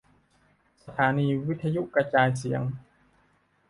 สถานีวิทยุกระจายเสียง